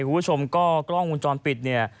คุณผู้ชมก็กล้องวงจรปิดเนี่ย